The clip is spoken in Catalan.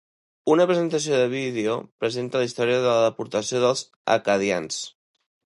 Una presentació de vídeo presenta la història de la deportació dels acadians.